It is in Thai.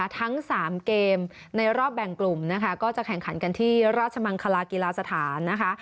ทั้ง๓เกมในรอบแบ่งกลุ่มนะคะก็จะแข่งขันกันที่ราชมังคลากีฬาสถานนะคะ